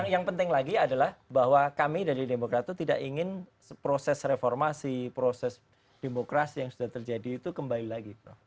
yang penting lagi adalah bahwa kami dari demokrat itu tidak ingin proses reformasi proses demokrasi yang sudah terjadi itu kembali lagi